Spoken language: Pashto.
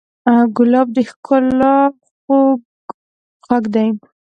ګلاب د ښکلا خوږ غږ دی.